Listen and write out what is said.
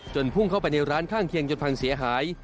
พุ่งเข้าไปในร้านข้างเคียงจนพังเสียหาย